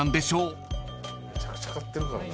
めちゃくちゃ買ってるからな。